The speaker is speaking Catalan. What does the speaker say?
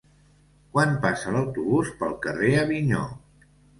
Quan passa l'autobús pel carrer Avinyó?